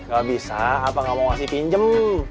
gak bisa apa gak mau kasih pinjem